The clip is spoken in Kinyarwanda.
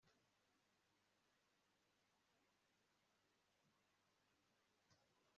noneho yakumva adashaka ibihembo ntakore